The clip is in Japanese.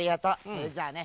それじゃあね